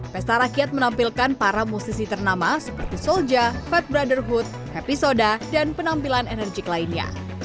pesta rakyat menampilkan para musisi ternama seperti solja fed brotherhood happy soda dan penampilan enerjik lainnya